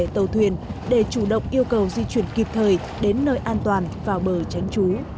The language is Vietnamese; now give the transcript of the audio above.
tàu thuyền để chủ động yêu cầu di chuyển kịp thời đến nơi an toàn vào bờ tránh trú